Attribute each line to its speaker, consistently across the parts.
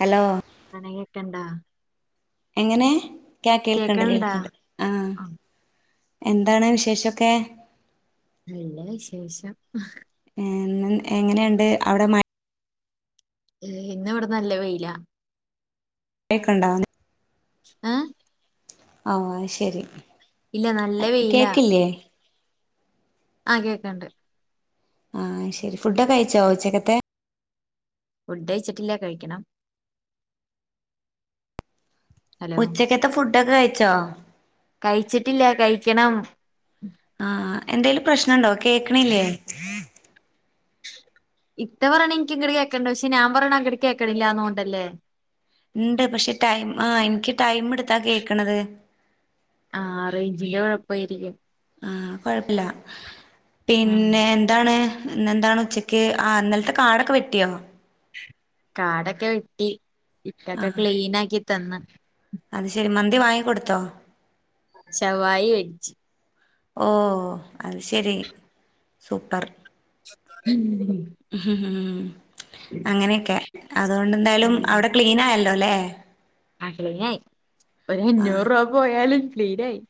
Speaker 1: Hello
Speaker 2: അനെ കേക്കണ്ടോ
Speaker 1: എങ്ങനെ ക്യ കേൾക്ക്ൺണ്ട്
Speaker 2: കേക്കണണ്ടാ
Speaker 1: കേൾക്ക്ൺണ്ട് ആഹ്
Speaker 2: ആ
Speaker 1: എന്താണ് വിശേഷക്കെ
Speaker 2: നല്ല വിശേഷം
Speaker 1: ഏഹ് എങ്ങനെണ്ട് അവടെ മഴ
Speaker 2: യെ ഇന്നവ്ടെ ഇവട നല്ല വെയിലാ
Speaker 1: കേക്ക്‌ൺണ്ടൊ
Speaker 2: അഹ്
Speaker 1: ആഹ് ശരി
Speaker 2: ഇല്ല നല്ല വെയ്ലാ
Speaker 1: കേക്കില്ലേ
Speaker 2: ആഹ് കേക്ക്ൺണ്ട്
Speaker 1: ആഹ് അയ് ശരി ഫുഡ്ഡൊക്കയ്ച്ചൊ ഉച്ചക്കത്തെ
Speaker 2: ഫുഡഴിച്ചിട്ടില്ല കഴിക്കണം ഹലോ
Speaker 1: ഉച്ചക്കത്തെ ഫുഡൊക്ക കഴിച്ചോ
Speaker 2: കഴിച്ചിട്ടില്ല കഴിക്കണം
Speaker 1: ആഹ് ആഹ് എന്തേലും പ്രശ്നണ്ടൊ കേക്ക്‌ണില്ലെ
Speaker 2: ഇത്ത പറയ്ണെൻക്ക് ഇങ്ങ്ട് കേക്ക്‌ൺണ്ട് പക്ഷെ ഞാൻ പറിണ അങ്ങ്ട്ട് കേക്കണില്ലാന്നോൺണ്ടലെ
Speaker 1: ഉണ്ട് പക്ഷെ ടൈമ് ആഹ് ഇൻക്ക് ടൈമിടുത്ത കേക്ക്‌ണത്
Speaker 2: ആഹ് റെയ്ഞ്ചിന്റെ കൊഴപ്പായിരിക്കും
Speaker 1: ആഹ് കൊഴപ്പല്ല
Speaker 2: ഉം
Speaker 1: പിന്നെ ന്താണ് ഇന്നെന്താണ് ഉച്ചക്ക് ആഹ് ഇന്നൽത്തെ കാടൊക്കെ വെട്ടിയോ
Speaker 2: കാടൊക്കെ വെട്ടി ഇറ്റൊക്കെ ക്ലീനാക്കി തന്ന്
Speaker 1: അത് ശരി മന്തി വാങ്ങി കൊട്ത്തോ
Speaker 2: ശവായി വെച്ച്
Speaker 1: ഓഹ് അത് ശരി സൂപ്പർ
Speaker 2: ഉം
Speaker 1: അങ്ങനെയൊക്കെ അതുകൊണ്ട് എന്തായാലും
Speaker 2: ഉം
Speaker 1: അവിടെ ക്ലീനായല്ലലേ
Speaker 2: ആഹ് ക്ലീനായി ഒര് അഞ്ഞൂറ് രൂപ പോയാലും ക്ലീനായി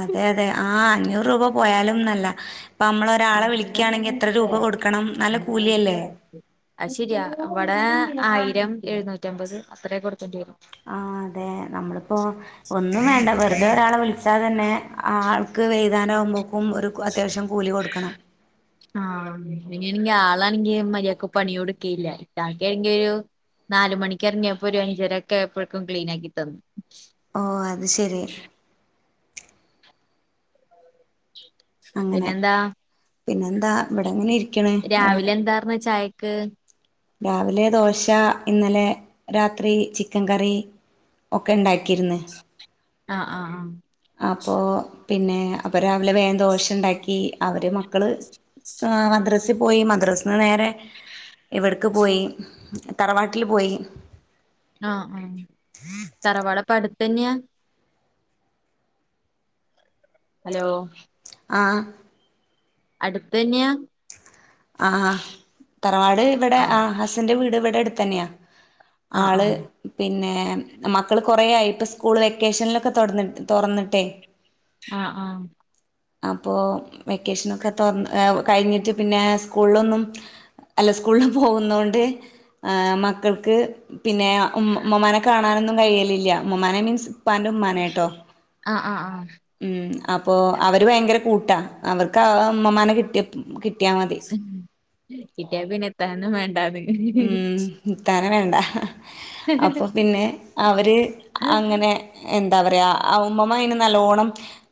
Speaker 1: അതെ അതെ ആഹ് അഞ്ഞൂറ് രൂപ പോയാലുംന്നല്ല ഇപ്പ നമ്മളെ ഒരാളെ വിളിക്കാണെങ്കി എത്ര രൂപ കൊട്ക്കണം നല്ല കൂലിയല്ലെ
Speaker 2: അത് ശരിയാ ഇവടേ ആയിരം എഴുന്നൂറ്റമ്പത് അത്രയ കൊടുക്കാണ്ടി വരും
Speaker 1: ആഹ് അതെ നമ്മളിപ്പൊ ഒന്നും വേണ്ട വെറ്തെ ഒരാളെ വിളിച്ച ച്ചാൽ തന്നെ ആൾക്ക് വൈന്നേരം ആവുമ്പക്കും ഒരു അത്യാവശ്യം കൂലി കൊട്ക്കണം
Speaker 2: ആഹ് ആളണെങ്കിൽ മര്യാക്ക് പണിയോടക്കെയില്ല ഇക്കാക്ക ണെങ്കിൽ ഒരു നാല് മണിക്കറങ്ങിയപ്പോ ഒരു അഞ്ച രൊക്കെ എപ്പോഴക്കും ക്ലീൻ ആക്കി തന്നു
Speaker 1: ഓ അത് ശരി
Speaker 2: [unintelligible]
Speaker 1: അങ്ങനെ
Speaker 2: പിന്നെന്താ
Speaker 1: പിന്നെന്താ ബടെങ്ങനെ ഇരി
Speaker 2: രാവിലെ എന്താർന്ന് ചായക്ക്
Speaker 1: രാവിലെ ദോശ ഇന്നലെ രാത്രി ചിക്കൻ കറി ഒക്കെ ഉണ്ടാക്കിയിര്ന്ന്
Speaker 2: അ അ ആഹ്
Speaker 1: അപ്പോ പിന്നെ അപ്പ രാവിലെ വേഗം ദോഷ ഉണ്ടാക്കി അവര് മക്കള് ആഹ് മദ്രസിൽ പോയി മദ്രസിന് നേരെ
Speaker 2: [unintelligible]
Speaker 1: ഇവിടക്ക് പോയി തറവാട്ടിൽ പോയി
Speaker 2: ആഹ് ആഹ് തറവാട് അടുത്തന്നയാ ഹലോ
Speaker 1: ആഹ്
Speaker 2: അടുത്തന്നയാ
Speaker 1: ആഹ് ആഹ് തറവാട് ഇവിടെ
Speaker 2: ആഹ്
Speaker 1: ആ ഹസ്ന്റെ വീട് ഇവിടെ അടുത്ത തന്നെയാ
Speaker 2: ആഹ്
Speaker 1: ആള്
Speaker 2: ആഹ്
Speaker 1: പിന്നെ മക്കൾ കുറയായി ഇപ്പള് സ്കൂൾ വെക്കേഷനലൊക്കെ തൊടന്ന തൊ റന്നിട്ടേ
Speaker 2: ആഹ ആഹ
Speaker 1: അപ്പോൾ വെക്കേഷനൊക്കെ തുറന്ന് കഴിഞ്ഞിട്ട് പിന്നെ സ്കൂളിലൊന്നും അല്ല സ്കൂളിൽ പോകുന്ന കൊണ്ട് മക്കൾക്ക് പിന്നെ ഉ മമ്മാനെ കാണാനൊന്നും കഴിയലില്ല ഉമ്മാമ്മനെ മീൻസ് ഉപ്പാന്റെ ഉമ്മാ
Speaker 2: ആഹ ആഹ ആഹ
Speaker 1: ഉം അപ്പൊ അവര് ഭയങ്കര കൂട്ടാ അവർക്ക് ഉമ്മമാനെ കിട്ടിയ കിട്ടിയാൽ മതി
Speaker 2: ഉം ഇട്ടിയ പിന്നെ ഇത്തന്നും വേണ്ടാന്ന്
Speaker 1: ഉ ഇത്താന വേണ്ട അപ്പൊ
Speaker 2: വേണ്ടാന്ന്
Speaker 1: പിന്നെ അവര് അങ്ങനെ എന്താ പറയാ ഉമ്മമ്മ അയിന് നല്ലോണം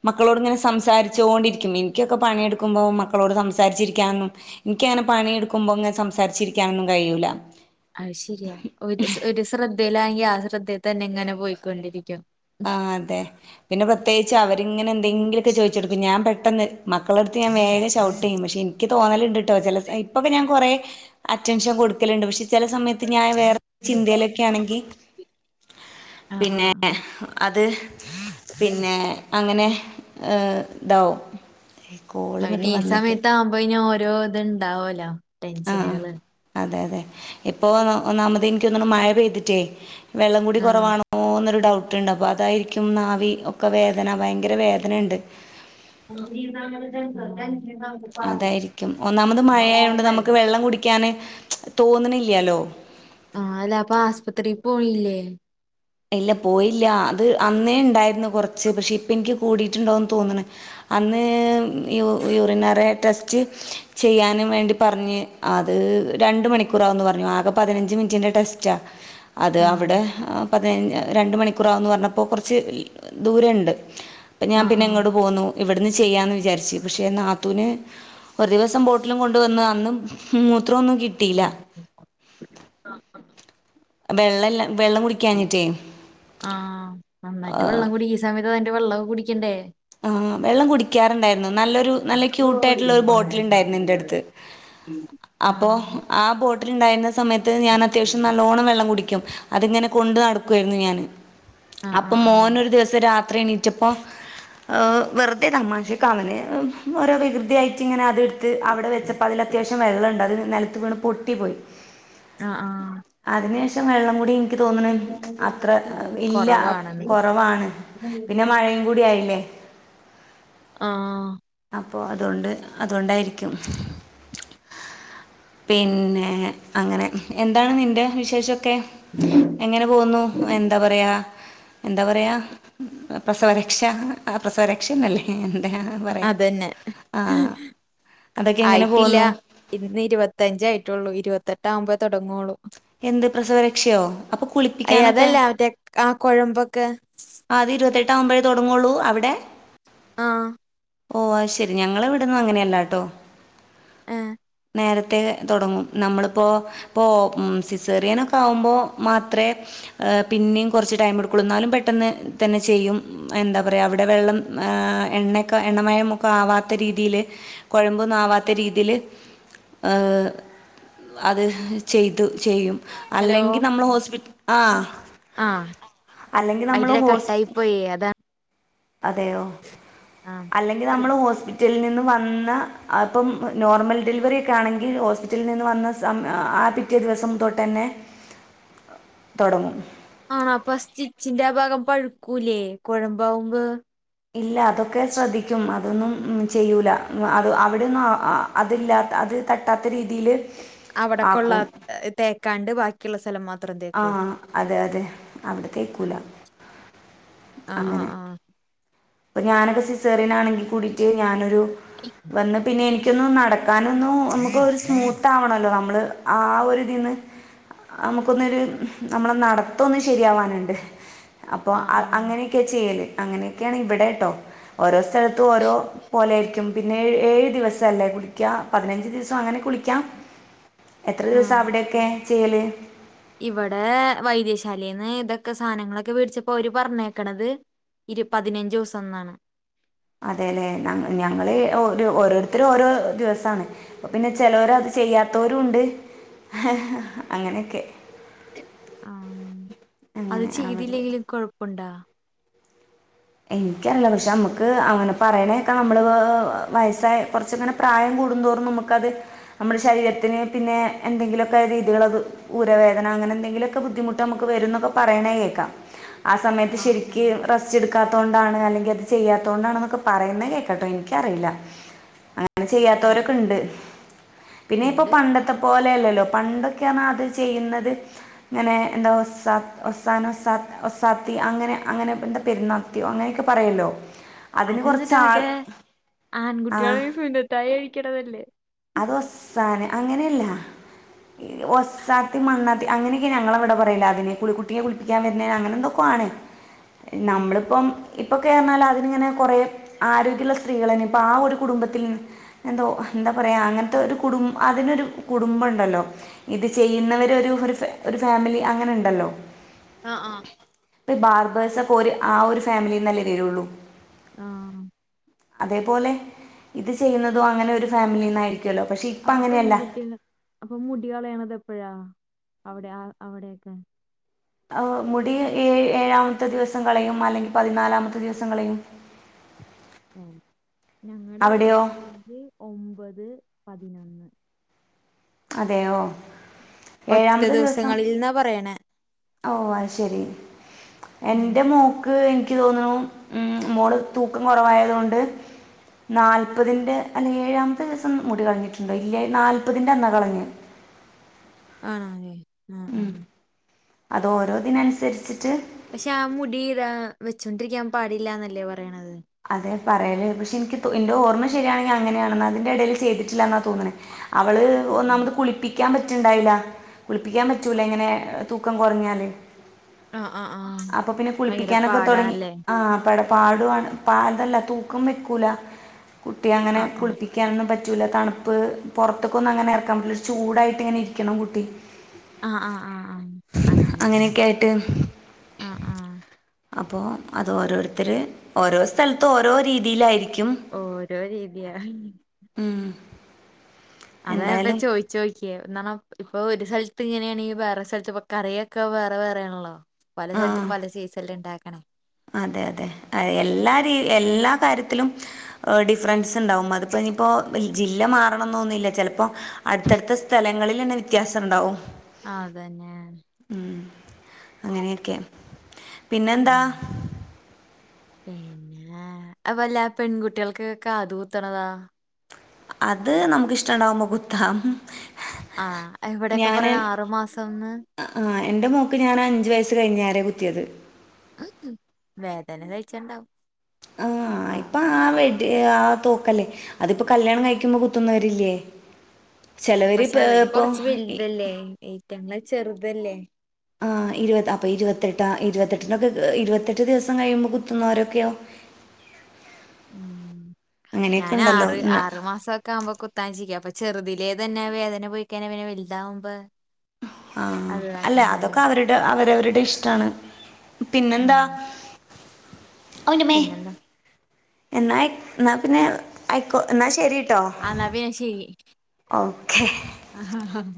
Speaker 1: മക്കളോട് ഇങ്ങനെ സംസാരിച്ചോണ്ടിരിക്കും എനിക്കൊക്കെ പണിയെടുക്കുമ്പോൾ മക്കളോട് സംസാച്ചിരിക്കാെന്നും എനിക്കങ്ങനെ പണിയെടുക്കുമ്പോ അങ്ങനെ സംസാരിച്ചിരിക്കാനൊന്നും കഴൂല
Speaker 2: അത് ശരിയാ ഒരു ഒരു ശ്രദ്ധയിലാെങ്കിൽ ആ ശ്രദ്ധയിൽ തന്നെ എങ്ങനെ പോയിക്കൊണ്ടിരിക്കും
Speaker 1: ആ അതെ പിന്നെ പ്രത്യേകി അവരിങ്ങനെ എന്തെങ്കിലൊക്കെ ചോദിച്ചെടുക്ക ഞാൻ പെട്ടെന്ന് മക്കളെടുത്ത് ഞാൻ വേഗം ഷൗട്ട് ചെയ്യും പക്ഷേ ഇ എനിക്ക് തോന്നൽണ്ട് കേട്ടോ ചില ഇപ്പോക്കെ ഞാൻ കുറെ അറ്റൻഷൻ കൊടുക്കലുണ്ട് പക്ഷെ ചില സമയത്ത് ഞാൻ വേറെ ചിന്തയിലൊക്കെ ആണെങ്കിൽ
Speaker 2: ആഹ്
Speaker 1: പിന്നെ
Speaker 2: ആഹ്
Speaker 1: അത് പിന്നെ അങ്ങനെ ഇതാകും
Speaker 2: അയിന് ഈ സമയത്ത ആകുമ്പോ ഇ ഓരോ ഇത് ഇണ്ടാവലോ
Speaker 1: ആ
Speaker 2: ടെൻഷനുകള്
Speaker 1: അതെ അതെ ഇപ്പൊ ഒന്നാമത് എനിക്ക് തോന്നുന്നത് മഴ പെയ്തിട്ടേ വെള്ളം കൂടി
Speaker 2: ആഹ്
Speaker 1: കുറവാണോ ഓന്നൊരു ഡൗട്ട്ണ്ട് അപ്പൊ അതായിരിക്കും നാവി ഒക്കെ വേദന ഭയങ്കര വേദനുണ്ട്
Speaker 2: [unintelligible]
Speaker 1: അതായിരിക്കും ഒന്നാമത് മഴയ കൊണ്ട് നമുക്ക് വെള്ളം കുടിക്കാന് തോന്നണില്ലല്ലോ
Speaker 2: ആഹ അല്ലെ അപ്പൊ ആസ്പത്രിയിൽ പോണില്ലേ
Speaker 1: ഇല്ല പോയില്ല അത് അന്നേ ഉണ്ടായിരുന്നു കുറച്ച് പക്ഷെ ഇപ്പ എനിക്ക് കൂടിയിട്ടുണ്ടോന്ന് തോന്നണ അന്നേ യു യൂറിനറ ടെസ്റ്റ് ചെയ്യാനും വേണ്ടി പറഞ്ഞ് അത് രണ്ട് മണിക്കൂറ് ആവന്ന് പറഞ്ഞു ആകെ പതിനഞ്ച് മിനിറ്റിന്റെ ടെസ്റ്റാ
Speaker 2: ഉ
Speaker 1: അത് അവിടെ അഹ് പതിനഞ് രണ്ട് മണിക്കൂറാഊന്ന് പറഞ്ഞപ്പോ കുറച്ച് ദൂരണ്ട് പ്പം ഞാൻ
Speaker 2: ആഹ്
Speaker 1: പിന്നെ
Speaker 2: ആഹ്
Speaker 1: ഇങ്ങോട്ട് പോന്നു ഇവിടുന്ന് ചെയ്യാമന്ന് വിചാരിച്ചു പക്ഷേ നാത്തൂന് ഒരു ദിവസം ബോട്ടിലും കൊണ്ട് വന്ന് അന്നും മൂത്രമൊന്നും കി
Speaker 2: ജൽ
Speaker 1: വെള്ളംല്ല വെള്ളം കുടി
Speaker 2: ആഹ് നന്നായിട്ട് വെള്ളം കുടിക്ക ഈ സമയത്ത് അതിന്റെ വെള്ളം കുടിക്കണ്ടേ
Speaker 1: ആഹ് വെള്ളം കുടിക്കാറുണ്ടായിരുന്നു നല്ലൊരു നല്ല ക്യൂട്ട് ആയിട്ടുള്ള ഒരു ബോട്ടിൽ ഉണ്ടായിരുന്നു എന്റെ അടുത്ത്
Speaker 2: ഉം ആഹ്
Speaker 1: ആഹ് ബോട്ടിൽണ്ടായിരുന്ന സമയത്ത് ഞാൻ അത്യാവശ്യം നല്ലോണ്ണം വെള്ളം കുടിക്കും അതിങ്ങനെ കൊണ്ടു നടക്കുവായിരുന്നു ഞാന്
Speaker 2: ആഹ്
Speaker 1: അപ്പം
Speaker 2: ആഹ് ആഹ്
Speaker 1: മോനൊരു ദിവസം രാത്രി എണീച്ചപ്പോൾ ആഹ് വെർതെ തമാശക്ക അവന് ഓരോ വികൃതിയായിട്ട് ഇങ്ങനെ അത്ട് ത് അവിടെ വെച്ചപ്പോ അതിൽ അത്യാവശ്യം വെള്ളണ്ട് അത് നിലത്ത് വീണ് പൊട്ടിപ്പോയി
Speaker 2: അഹ് ആഹ്
Speaker 1: അതിനേശേഷം വെള്ളം കൂടി എനിക്ക് തോന്നണ അത്ര ഇല്ല
Speaker 2: കൊറവാണെന്ന്
Speaker 1: കൊറവാണ് പിന്നെ മഴയും കൂടി ആയില്ലേ
Speaker 2: ആഹ്
Speaker 1: അപ്പോ അതൊണ്ട് അതുകൊണ്ടായിരിക്കും പിന്നെ അങ്ങനെ എന്താണ് നിന്റെ വിശേഷക്കെ എങ്ങനെ പോകുന്നു എന്താ പറയാ എന്താ പറയാ പ്രസവരക്ഷ ആഹ് പ്രസവരക്ഷ ക്ഷെ നല്ലേ എന്താ പറയാ
Speaker 2: അതന്നെ
Speaker 1: ആഹ് അതൊക്കെ എങ്ങനെ
Speaker 2: ആയിട്ടില്ല
Speaker 1: പോഉന്നു
Speaker 2: ഇന്ന് ഇരുപത്തഞ്ചയിട്ടുള്ളൂ ഇരുപത്തെട്ട് ആഉമ്പേ തുടങ്ങുള്ളൂ
Speaker 1: എന്ത് പ്രസവരക്ഷയോ അപ്പൊ കുളിപ്പിക്കാനൊക്കെ?
Speaker 2: ആഹ് കൊഴമ്പെക്കെ.
Speaker 1: അത് ഇരുപത്തെട്ട് ആഉമ്പഴേ തുടങ്ങോളൂ. അവിടെ?
Speaker 2: ആഹ്
Speaker 1: ഓഹ് അഹ് ശരി ഞങ്ങെളെവിടെന്ന് അങ്ങനെയല്ലാട്ടോ.
Speaker 2: ഏഹ്
Speaker 1: നേരത്തെ തൊടങ്ങും. നമ്മളിപ്പോ ഇപ്പോ സിസേറിയനൊക്കെ ആകുമ്പോ മാത്രേ. എഹ് പിന്നെയും കൊർച്ച് ടൈം എടുക്കുളൂ. ന്നാലും പെട്ടെന്ന് തന്നെ ചെയ്യും. എന്താ പറയ. അവ്ടെ വെള്ളം ഏഹ് എണ്ണയെക്കെ എണ്ണമയമൊക്കെ ആവാത്ത രീതിയില്. കൊഴമ്പൊന്നും ആവാത്ത രീതിൽ ഏഹ് അത് ചെയ്തു ചെയ്യും.
Speaker 2: ഹലോ
Speaker 1: അല്ലെങ്കി നമ്മെള് ഹോസ്പി ആഹ്
Speaker 2: ആഹ് വൈറ്റിലെ
Speaker 1: ഹോസ്
Speaker 2: കട്ടായി പോയി. അതാ
Speaker 1: അതെയോ.
Speaker 2: ആഹ്
Speaker 1: അല്ലെങ്കി നമ്മെള് ഹോസ്പി റ്റലിൽ നിന്ന് വന്ന അപ്പം നോർമൽ ഡെലിവറിക്കെയാണെങ്കി ഹോസ്പിറ്റലിൽ നിന്ന് വന്ന സമ ആ പിക് റ്റേ ദിവസം തൊട്ടന്നെ. തൊടങ്ങും
Speaker 2: ആണോ പ്പ സ്റ്റിച്ചിന്റെ ആഹ് ഭാഗം പഴുക്കൂല്ലേ. കൊഴമ്പാഉമ്പോ.
Speaker 1: ഇല്ല, അതൊക്കെ ശ്രദ്ധിക്കും. അതൊന്നും ചെയ്യൂല. അത് അവിടെയൊന്നും ആഹ് ആഹ് അതില്ലാത്ത അത് തട്ടാത്ത രീതിയില്
Speaker 2: അവിടെ കൊള്ള തേക്കാണ്ട് ബാക്കിയുള്ള സ്ഥലം മാത്രം
Speaker 1: ആ
Speaker 2: തേക്കുവോ?
Speaker 1: അതെ അതെ അവിടെ തേക്കൂല.
Speaker 2: ആഹ് ആഹ് ആഹ്
Speaker 1: അപ്പൊ ഞാനെക്കെ സിസേറിയൻ ആണെങ്കിൽ കൂടിട്ട് ഞാനൊരു വന്ന് പിന്നെ എനിക്ക്. എനിക്ക് ഒന്ന് നടക്കാനൊന്നും നമുക്ക് ഒരു സ്മൂത്ത് ആവണല്ലോ, നമ്മള് ആഹ് ഒരു ഇതിന്ന്. നമുക്കൊന്നൊരു നമ്മളെ നടത്തൊന്ന് ശരിയാവാനുണ്ട്. അപ്പൊ ആഹ് അങ്ങനെയൊക്കെ ചെയ്യല്, അങ്ങനെയെക്കെയാണ് ഇവിടെ കേട്ടോ ഓരോ സ്ഥ ലത്ത് ഓരോ പോലെയിരിക്കും. പിന്നെ ഏഴ് ദിവസം അല്ലേ കുളിക്കാം, പതിനഞ്ച് ദിവസം അങ്ങനെ കുളിക്കാം. എത്ര ദിവസം
Speaker 2: ആഹ്
Speaker 1: അവിടെ ഒക്കെ ചെയ്യല്?
Speaker 2: ഇവിടെ വൈദ്യശാലന്ന് ഇതൊക്കെ സാധനങ്ങളെക്കെ മേടിച്ചപ്പോ അവര് പറഞ്ഞേക്കേണത്. ഇരു പതിനഞ്ച് ദിവസവാണ്.
Speaker 1: അതെല്ലേ, ഞങ്ങള് ഓരോരുത്തരും ഓരോ ദിവസാണ്. അപ്പൊ പിന്നെ ചെലവരെ അത് ചെയ്യാത്തോരും ഒണ്ട്, അങ്ങനെയെക്കെ.
Speaker 2: ആഹ് അത്
Speaker 1: അങ്ങനെ അവർ
Speaker 2: ചെയ്തില്ലെങ്കിലും കൊഴപ്പുണ്ടോ?
Speaker 1: എനിക്കറില്ല, പക്ഷെ നമുക്ക് അങ്ങനെ പറയണേ കേൾക്കാം നമ്മള് വയസ്സായ കൊറെച്ചെങ്ങനെ. പ്രായം കൂടും തോറും നമുക്കത് നമ്മടെ ശരീരത്തിന് പിന്നെ എന്തെങ്കിലുമൊക്കെ രീതികൾ അത്. ഊരവേദന അങ്ങനെ എന്തെങ്കിലൊക്കെ ബുദ്ധിമുട്ട് നമുക്ക് വരുനൊക്കെ പറയണ കേക്കാം. ആഹ് സമയത്ത്
Speaker 2: ആ ആ
Speaker 1: ശരിക്ക് റസ്റ്റ്. എടുക്കാത്തൊണ്ട് ആണ് അല്ലെങ്കിൽ അത് ചെയ്യാത്തോണ്ട് ആണെന്ന് പറയുന്ന കേക്കട്ടെ എനിക്കറിയില്ല ഞാ അങ്ങനെ
Speaker 2: ഉം.
Speaker 1: ചെയ്യാത്തേരൊക്കെ ഉണ്ട്. പിന്നെ ഇപ്പോ
Speaker 2: ഉണ്ട്
Speaker 1: പണ്ടത്തെ പോലെയല്ലല്ലോ, പണ്ടൊക്കെയാണ് അത് ചെയ്യുന്നത്. അങ്ങനെ എന്താ ഒസാ ഒസാൻ ഒസാ ഒസാത്തി അങ്ങനെ അങ്ങനെ എന്താ പെരുന്നാൾ. ത്തിയോ അങ്ങനെയൊക്കെ പറയുല്ലോ.
Speaker 2: അത് എന്നിട്ട് ഓന്റെ
Speaker 1: ആ
Speaker 2: ആൺകുട്ടികളെ സുന്നത്തായി കഴിക്കണതല്ലേ?
Speaker 1: അത് ഒസാന് അങ്ങനെയല്ല. ഒസ്സാത്തി, മണ്ണാത്തി അങ്ങനെയെക്കെ ഞങ്ങളിവിടെ പറയല് അതിന് കുളി കുട്ടിയെ കുളിപ്പിക്കാൻ വരുന്നേ അങ്ങനെയെന്തൊക്കെയാണ്.
Speaker 2: ആ.
Speaker 1: നമ്മളിപ്പം. ഇപ്പക്കെന്നാലും അതിനിങ്ങനെ കൊറെ ആരോഗ്യവുള്ള സ്ത്രീകൾ തന്നെ, ഇപ്പ ആഹ് ഒരു കുടുംബത്തിൽ. എന്തോ എന്താ പറയാ അങ്ങനെത്തെ ഒരു കുടും അതിനൊരു കുടുംബം ഒണ്ടല്ലോ? ഇത് ചെയ്യുന്നവര് ഒരു ഒരു ഫാമിലി അങ്ങനെ ഉണ്ടല്ലോ?
Speaker 2: ആഹ് ആഹ്
Speaker 1: ഇത് ബാർബേഴ്സ് അപ്പൊ ആഹ് ഒരു ഫാമിലിയെന്ന് അല്ലേ വരുള്ളൂ?
Speaker 2: ആഹ്.
Speaker 1: അതേപോലെ ഇത് ചെയ്യുന്നതും അങ്ങനെ ഒരു ഫാമിലിന്നായി രിക്കുല്ലോ, പക്ഷെ ഇപ്പ
Speaker 2: അപ്പൊ
Speaker 1: അങ്ങനെയല്ല.
Speaker 2: പെൺകുട്ടികൾ അപ്പൊ മുടി കളയണത് എപ്പഴാ, അവിടെ അവിടെക്കെ?
Speaker 1: ആഹ് മുടി ഏഹ് ഏഴാമത്തെ ദിവസം കളയും, അല്ലെങ്കിൽ പതിനാലാമത്തെ ദിവസം കളഴും.
Speaker 2: ഏഹ് ഞങ്ങടെ ഇവിടെ
Speaker 1: അവിടെയോ
Speaker 2: ഏഴ്, ഒമ്പത്, പതിനൊന്ന്.
Speaker 1: അതെയോ?
Speaker 2: ഒറ്റ ദിവസങ്ങളിൽ എന്നാ പറയണേ.
Speaker 1: ഓഹ് അത് ശരി
Speaker 2: ഉം.
Speaker 1: എന്റെ മോൾ. ക്ക് എനിക്ക് തോന്നുന്നു, ഉം മോള് തൂക്കം കുറവായതു കൊണ്ട്. നാൽപ്പതിൻ്റെ അല്ലെങ്കിൽ ഏഴാമത്തെ ദിവസം മുടി കളിഞ്ഞിട്ടുണ്ടോ ഇല്ലേ നാൽപ്പതിൻ്റെ അന്നാ കളഞ്ഞെ
Speaker 2: ആഹ് ആഹ് ആഹ്
Speaker 1: അതോ ഓരോതിനനുസരിച്ചിട്ട്-
Speaker 2: പക്ഷെ ആ മുടി വെച്ചൊണ്ടിരിക്കാൻ പാടില്ലാന്നല്ലേ പറയണത്.
Speaker 1: അതെ പറയല് പക്ഷെ എനിക്ക് എന്റെ ഓർമ്മ ശരിയാണെങ്കിൽ അങ്ങനെയാണെന്ന അതിന്റെ എടല് ചെയ്തിട്ടില്ലന്നാ തോന്ന്ണെ അവള്
Speaker 2: ഉം, ഉം.
Speaker 1: ഒന്നാമത് കുളിപ്പി- ളിക്കാൻ പറ്റ്ണ്ടായില്ല കുളിപ്പിക്കാൻ പറ്റൂല എങ്ങനെ തൂക്കം കുറഞ്ഞാല്.
Speaker 2: ആ ആ ആ
Speaker 1: അപ്പൊ പിന്നെ
Speaker 2: ഭയങ്കര
Speaker 1: കുളിപ്പിക്കാനൊക്കെ തൊടങ്ങി
Speaker 2: പാടാണല്ലേ
Speaker 1: ആ [unintelligible] പട പാടുവാണ് പാടല്ല തൂക്കം വെക്കൂല കുട്ടിയ അങ്ങനെ
Speaker 2: ആ ആ
Speaker 1: കുളിപ്പിക്കുമ്പോ ഇരിക്കാനൊന്നും പറ്റുല്ല തണുപ്പ് പൊറത്തെക്കൊന്നും അങ്ങനെ എറങ്ങാൻ പറ്റില്ല ഒരു ചൂടായിട്ട്ങ്ങനെ ഇരിക്കണം കുട്ടി
Speaker 2: ആഹ് ആഹ് ആഹ് ആഹ് അങ്ങനെ
Speaker 1: ട്ടേൽ [unintelligible]
Speaker 2: ആഹ് ആഹ്
Speaker 1: അപ്പോ അത് ഓരോരുത്തര് ഓരോ സ്ഥലത്തും ഓരോ രീതിയിലായിരിക്കും-
Speaker 2: ഓരോ രീതിയ
Speaker 1: ഉം
Speaker 2: അതാ ഞാനിപ്പോ
Speaker 1: എന്തായാലും
Speaker 2: ചോയ് ചോയ്ക്കിയേ എന്താണ് ഇപ്പൊ ഒരു സ്ഥലത്ത് ഇങ്ങനെയാണെങ്കിൽ വേറെ സ്ഥലത്ത് ഇപ്പൊ കറിയൊക്കെ വേറെ വേറെ ആണല്ലോ പല സ്ഥലത്തും
Speaker 1: ആ
Speaker 2: പല സിസണിലും ഇണ്ടാക്കണേ
Speaker 1: അതെ അതെ ഏഹ് എല്ലാ രീതി എല്ലാ കാര്യത്തിലും- ഡിഫറൻസ്ണ്ടാവും അതിപ്പോ ഇനിയിപ്പോ ജില്ല മാറണന്നൊന്നുമില്ല ചെലപ്പോ - അടുത്തടുത്ത സ്ഥലങ്ങളിൽ തന്നെ വ്യത്യാസയുണ്ടാവും.
Speaker 2: ആ അത് തന്നെ
Speaker 1: ഉം അങ്ങനെയൊക്കെ പിന്നെന്താ
Speaker 2: ഉം. പിന്നെ അതുവല്ല പെൺകുട്ടിൾക്ക് കാത് കുത്തണതാ
Speaker 1: അത് നമുക്ക് ഇഷ്ടണ്ടാവുമ്പോ കുത്താം
Speaker 2: ആഹ് ഇവിടെയൊക്കെ പറയണ ആറു മാസംന്ന്
Speaker 1: ആഹ് ആഹ് എന്റെ മോക്ക് ഞാൻ അഞ്ചു വയസ്സ് കഴിഞ്ഞാ അവരെ കുത്തിയത്.
Speaker 2: ആഹ് വേദന കഴിച്ചണ്ടാവും
Speaker 1: ആഹ് ഇപ്പൊ ആ വെഡ് ആ തോക്കല്ലേ അതിപ്പോ കല്യാണം കഴിക്കുമ്പോ കുത്തുന്നവരില്ലേ ചെലവര് ഇപ്പ ഇപ്പൊ ഈ -
Speaker 2: ഏറ്റങ്ങെൾ ചെറുതല്ലേ
Speaker 1: ആ ഇരുപ അപ്പൊ ഇരുപത്തെട്ടാ ആഹ് ഇരുപത് അപ്പൊ ഇരുപത്തെട്ട്നൊക്കെ ഇരുപത്തെട്ട് ദിവസം കഴിയുമ്പോ കുത്തുന്നവരൊക്കെയോ
Speaker 2: ഉം
Speaker 1: അങ്ങനെയൊക്കെ
Speaker 2: ഞാന്
Speaker 1: ഉണ്ടല്ലോ ന്ന
Speaker 2: ആറ് മാസയൊക്കെ- ആകുമ്പോ കുത്താന്ന് വെച്ചിരിക്കുവാ അപ്പൊ ചെറുതിലെ തന്നെ വേദന പൊയ്കഴിഞ്ഞാൽ പിന്നെ വെല്താവുമ്പോ-
Speaker 1: ആഹ് അല്ല അതൊക്കെ അവരുടെ അവരവരുടെ ഇഷ്ടാണ്. പിന്നെ എന്താ
Speaker 2: ഉം
Speaker 1: അയ്യോ എന്റെ അമ്മേ
Speaker 2: പിന്നെന്താ
Speaker 1: എന്ന എന്നാ പിന്നെ- ആയിക്കോ എന്നാൽ ശരിട്ടോ
Speaker 2: എന്നാ പിന്നെ
Speaker 1: ഓക്കെ
Speaker 2: ആഹ് ആഹ ഹഹ